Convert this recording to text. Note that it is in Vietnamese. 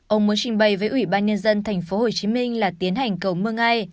ông muốn trình bày với ủy ban nhân dân thành phố hồ chí minh là tiến hành cầu mưa ngay